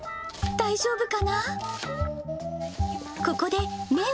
大丈夫か？